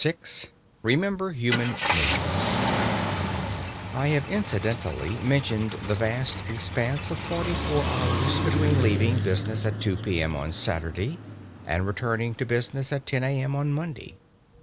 VI REMEMBER HUMAN NATURE I have incidentally mentioned the vast expanse of forty four hours between leaving business at 2 p.m. on Saturday and returning to business at 10 a.m. on Monday.